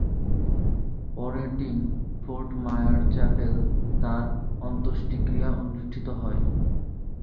পরের দিন Fort Myer চ্যাপেলে তাঁর অন্ত্যেষ্টিক্রিয়া অনুষ্ঠিত হয়।